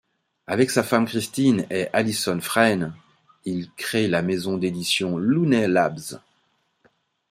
Avec sa femme Kristin et Alison Frane, il crée la maison d'édition Looney Labs.